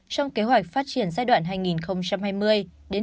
trong kế hoạch phát triển giai đoạn hai nghìn hai mươi hai nghìn hai mươi